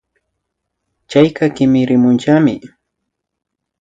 Chayka kimirimunllami